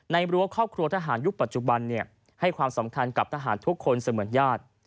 รั้วครอบครัวทหารยุคปัจจุบันให้ความสำคัญกับทหารทุกคนเสมือนญาติ